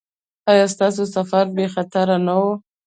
ایا ستاسو سفر بې خطره نه و؟